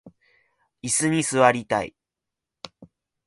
いすに座りたい